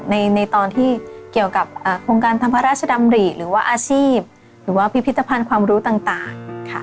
ในตอนที่เกี่ยวกับโครงการทำพระราชดำริหรือว่าอาชีพหรือว่าพิพิธภัณฑ์ความรู้ต่างค่ะ